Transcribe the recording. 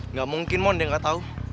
nggak mungkin mohon dia nggak tahu